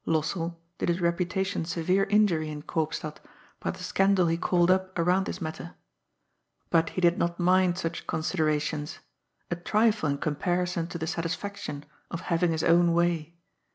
Lossell did his reputation severe injury in Koopstad by the scandal he called up around this matter ; but he did not mind such considerations a trifle in comparison to the satisfaction of having his own way.